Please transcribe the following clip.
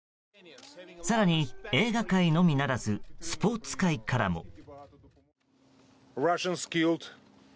更に、映画界のみならずスポーツ界からも。